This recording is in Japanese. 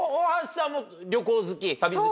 旅好き？